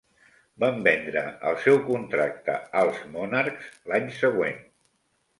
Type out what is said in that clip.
Van vendre el seu contracte als Monarchs, l'any següent.